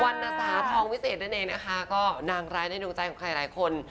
รณสาทองวิเศษนั่นเองนะคะก็นางร้ายในดวงใจของใครหลายคน